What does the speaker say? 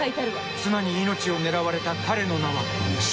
［妻に命を狙われた彼の名は］